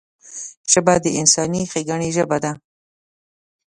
ژبه د انساني ښیګڼې ژبه ده